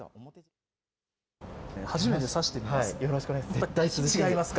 初めて差してみます。